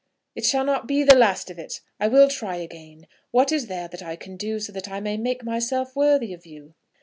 "It shall not be the last of it. I will try again. What is there that I can do, so that I may make myself worthy of you?"